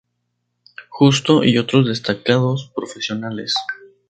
Justo y otros destacados profesionales.